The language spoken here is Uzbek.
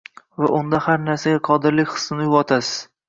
va unda har narsaga qodirlik hissini uyg‘otasiz.